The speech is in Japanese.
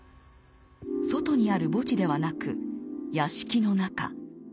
外にある墓地ではなく屋敷の中。